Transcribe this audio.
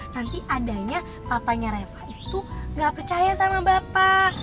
nanti adanya papanya reva itu nggak percaya sama bapak